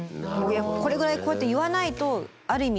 これぐらいこうやって言わないとある意味